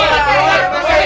keluar bu besi